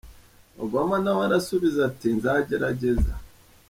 Obama na we arasubiza, ati “ nzagerageza.